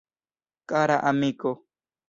Kara amiko.